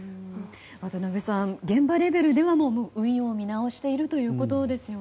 渡辺さん、現場レベルでは運用を見直していると。